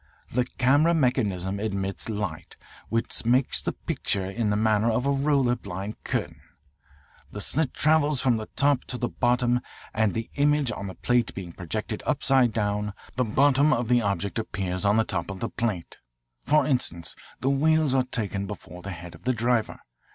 The camera mechanism admits light, which makes the picture, in the manner of a roller blind curtain. The slit travels from the top to the bottom and the image on the plate being projected upside down, the bottom of the object appears on the top of the plate. For instance, the wheels are taken before the head of the driver.